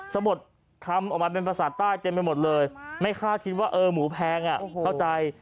สะบดคำออกมาเป็นภาษาใต้เต็มไปหมดเลยไม่คาดคิดว่าเออหมูแพงเข้าใจ